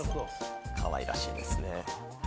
かわいらしいですね。